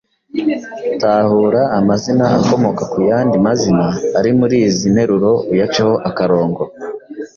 Tahura amazina akomoka ku yandi mazina ari muri izi nteruro uyaceho akarongo: